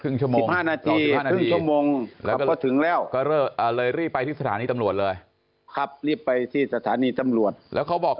๑๕นาทีถึงแล้วเลยรีบไปที่สถานีตำรวจเลยครับรีบไปที่สถานีตำรวจแล้วเขาบอก